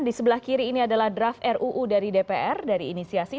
di sebelah kiri ini adalah draft ruu dari dpr dari inisiasi